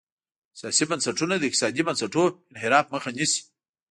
سیاسي بنسټونه د اقتصادي بنسټونو انحراف مخه نیسي.